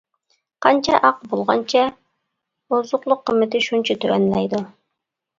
قانچە ئاق بولغانچە ئوزۇقلۇق قىممىتى شۇنچە تۆۋەنلەيدۇ.